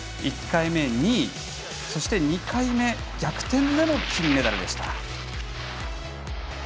１回目、２位そして２回目逆転での金メダルでした。